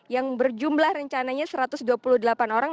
yang berjumlah rencananya satu ratus dua puluh delapan orang